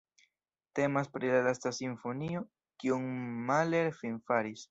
Temas pri la lasta simfonio, kiun Mahler finfaris.